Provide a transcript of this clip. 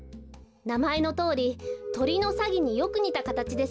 なまえのとおりとりのサギによくにたかたちですね。